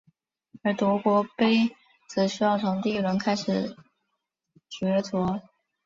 而德国杯则需要从第一轮开始角逐。